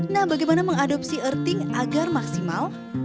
nah bagaimana mengadopsi earthing agar maksimal